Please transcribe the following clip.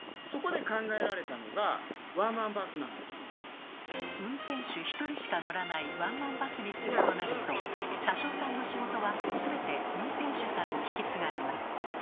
そこで考えられたのが運転手１人しか乗らないワンマンバスにするとなると車掌さんの仕事は全て運転手さんに引き継がれます。